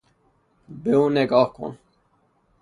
به او نگاه کن!